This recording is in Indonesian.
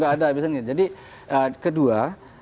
kalau saya meng revival semua